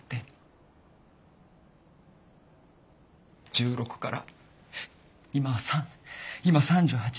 １６から今３今３８。